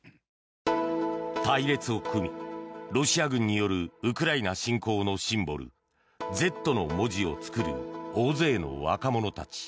隊列を組み、ロシア軍によるウクライナ侵攻のシンボル「Ｚ」の文字を作る大勢の若者たち。